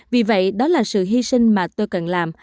vì vậy đó là sự hy sinh mà tôi cần làm